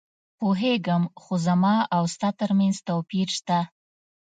پوهېږم، خو زما او ستا ترمنځ توپیر شته.